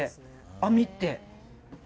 網って。